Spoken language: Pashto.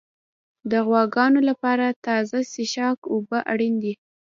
د غواګانو لپاره تازه څښاک اوبه اړین دي.